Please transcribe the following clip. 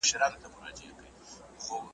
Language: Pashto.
زور د شلو انسانانو ورسره وو `